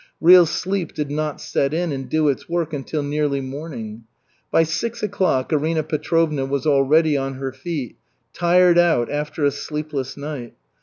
Real sleep did not set in and do its work until nearly morning. By six o'clock Arina Petrovna was already on her feet, tired out after a sleepless night.